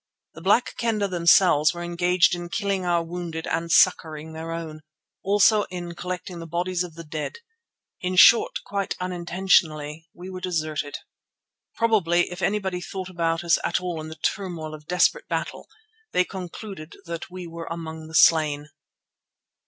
The Black Kendah themselves were engaged in killing our wounded and succouring their own; also in collecting the bodies of the dead. In short, quite unintentionally, we were deserted. Probably, if anybody thought about us at all in the turmoil of desperate battle, they concluded that we were among the slain.